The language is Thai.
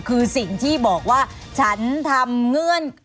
คือสิ่งที่บอกว่าฉันทำเงื่อน